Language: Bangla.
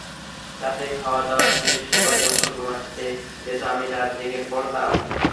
রাতে খাওয়াদাওয়া শেষে সবাই যখন ঘুমাতে যেত, আমি রাত জেগে পড়তাম।